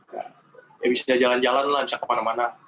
ya bisa jalan jalan lah bisa kemana mana